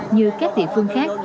như các địa phương khác